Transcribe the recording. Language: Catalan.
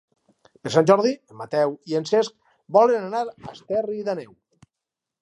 Per Sant Jordi en Mateu i en Cesc volen anar a Esterri d'Àneu.